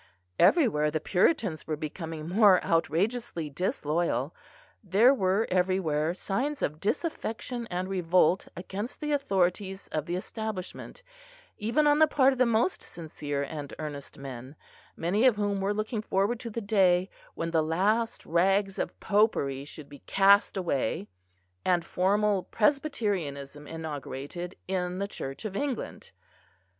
Everywhere the Puritans were becoming more outrageously disloyal. There were everywhere signs of disaffection and revolt against the authorities of the Establishment, even on the part of the most sincere and earnest men, many of whom were looking forward to the day when the last rags of popery should be cast away, and formal Presbyterianism inaugurated in the Church of England.